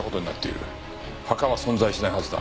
墓は存在しないはずだ。